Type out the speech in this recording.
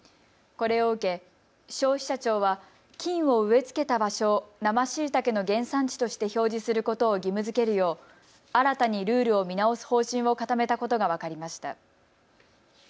これを受け、消費者庁は菌を植え付けた場所を生しいたけの原産地として表示することを義務づけるよう新たにルールを見直す方針を固めたことが分かりました。